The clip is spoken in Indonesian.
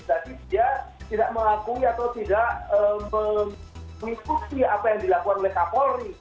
tapi dia tidak mengakui atau tidak mengikuti apa yang dilakukan oleh kapolri